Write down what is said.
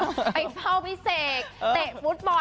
ไปเฝ้าพี่เสกเตะฟุตบอล